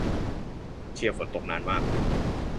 เชี่ย ฝนตกนานมาก